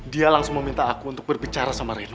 dia langsung meminta aku untuk berbicara sama ridho